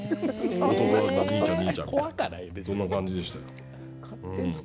弟は、もう「兄ちゃん兄ちゃん」みたいなそんな感じでしたよ。